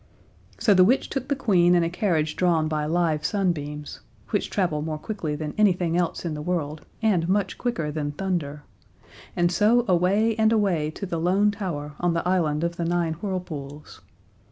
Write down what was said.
So the witch took the Queen in a carriage drawn by live sunbeams (which travel more quickly than anything else in the world, and much quicker than thunder), and so away and away to the Lone Tower on the Island of the Nine Whirlpools.